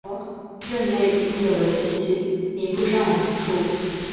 任内屡次为减轻民负上疏。